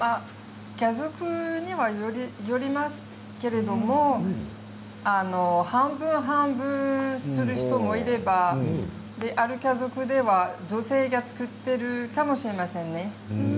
家族によりますけれども半分半分にする人もいればある家族では、女性が作っているかもしれませんね。